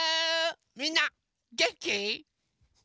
みんなげんき？